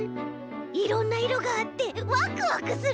いろんないろがあってワクワクする。